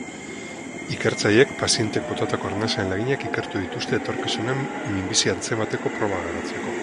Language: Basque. Ikertzaileek pazienteek botatako arnasaren laginak ikertu dituzte etorkizunean minbizia antzemateko probak garatzeko.